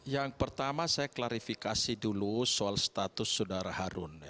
yang pertama saya klarifikasi dulu soal status saudara harun